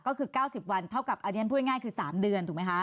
ก็คือ๙๐วันเท่ากับอันนี้พูดง่ายคือ๓เดือนถูกไหมคะ